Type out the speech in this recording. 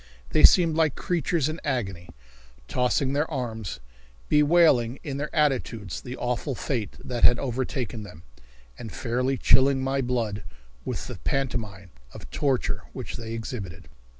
They seemed like creatures in agony, tossing their arms, bewailing in their attitudes the awful fate that had overtaken them, and fairly chilling my blood with the pantomime of torture which they exhibited.